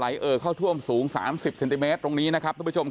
เอ่อเข้าท่วมสูง๓๐เซนติเมตรตรงนี้นะครับทุกผู้ชมครับ